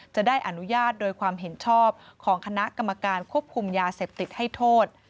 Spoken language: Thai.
จะได้อนุญาตโดยความเห็นชอบของคณะกรรมการควบคุมยาเสพติดให้โทษ